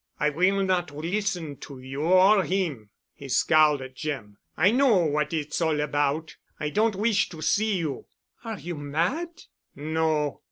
"I will not listen to you—or him." He scowled at Jim. "I know what it's all about. I don't wish to see you." "Are you mad?" "No."